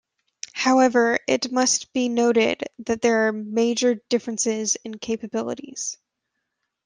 However it must be noted that there are major differences in capabilities.